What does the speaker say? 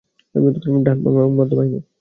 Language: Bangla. ডান, বাম এবং মধ্য বাহিনী।